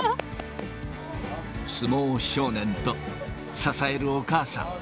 相撲少年と、支えるお母さん。